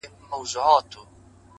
o پر ما خوښي لكه باران را اوري؛